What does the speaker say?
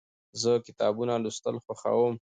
زه کتابونه لوستل خوښوم.